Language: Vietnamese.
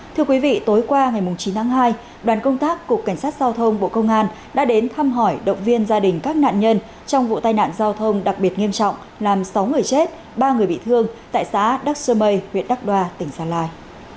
thưa quý vị tối qua ngày chín tháng hai đoàn công tác cục cảnh sát giao thông bộ công an đã đến thăm hỏi động viên gia đình các nạn nhân trong vụ tai nạn giao thông đặc biệt nghiêm trọng làm sáu người chết ba người bị thương tại xã đắc sơ mây huyện đắc đoa tỉnh gia lai